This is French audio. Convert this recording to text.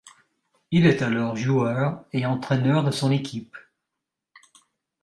Il est alors joueur et entraîneur de son équipe.